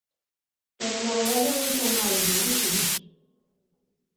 Pero no Goberno non son malos malísimos.